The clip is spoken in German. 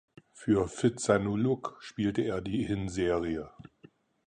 Für Phitsanulok spielte er die Hinserie.